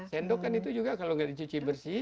sendok kan itu juga kalau nggak dicuci bersih